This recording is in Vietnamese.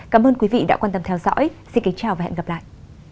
cảm ơn quý vị đã quan tâm theo dõi xin kính chào và hẹn gặp lại